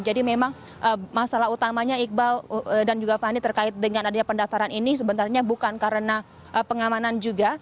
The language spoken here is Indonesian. jadi memang masalah utamanya iqbal dan juga fani terkait dengan adanya pendaftaran ini sebenarnya bukan karena pengamanan juga